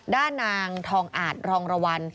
ด้านนางทองอาจรองระวัน